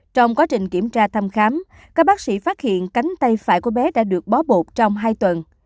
trong quá trình kiểm tra thăm khám các bác sĩ phát hiện cánh tay phải của bé đã được bó bột trong hai tuần